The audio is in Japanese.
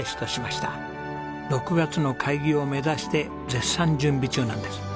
６月の開業を目指して絶賛準備中なんです。